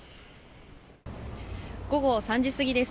午後３時過ぎです。